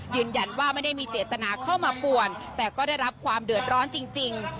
ยืนยันว่าไม่ได้มีเจตนาเข้ามาป่วนแต่ก็ได้รับความเดือดร้อนจริง